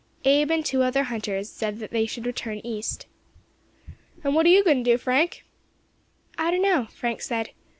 Abe, and two other hunters, said they should return east. "And what are you going to do, Frank?" "I don't know," Frank said.